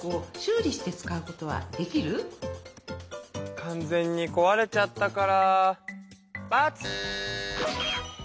完全にこわれちゃったから×！